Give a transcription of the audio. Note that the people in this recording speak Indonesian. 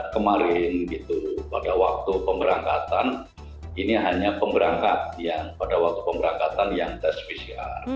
kemarin gitu pada waktu pemberangkatan ini hanya pemberangkat yang pada waktu pemberangkatan yang tes pcr